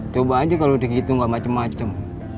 coba aja kalo dikitung gak macem macem